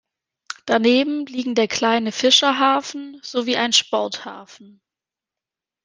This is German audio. Daneben liegen der kleine Fischerhafen sowie ein Sporthafen.